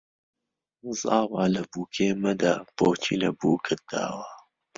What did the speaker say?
زاوا لە بووکێ مەدە بۆچی لە بووکت داوە